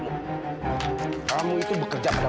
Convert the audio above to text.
namun saya ingin mem puedan tada